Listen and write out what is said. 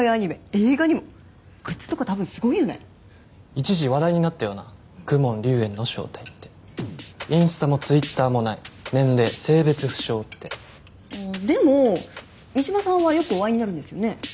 映画にもグッズとか多分すごいよね一時話題になったよな公文竜炎の正体ってインスタもツイッターもない年齢性別不詳ってでも三島さんはよくお会いになるんですよね